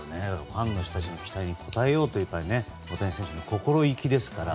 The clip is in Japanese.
ファンの人たちの期待に応えようという大谷選手の心意気ですから。